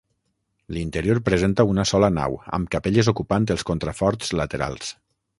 L'interior presenta una sola nau, amb capelles ocupant els contraforts laterals.